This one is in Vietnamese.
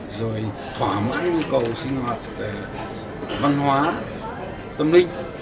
rồi thỏa mãn nhu cầu sinh hoạt về văn hóa tâm linh